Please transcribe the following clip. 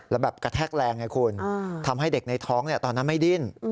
แล้วแบบกระแทกแรงไงคุณทำให้เด็กในท้องตอนนั้นไม่ดิ้น